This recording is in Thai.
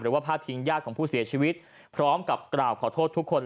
พาดพิงญาติของผู้เสียชีวิตพร้อมกับกล่าวขอโทษทุกคน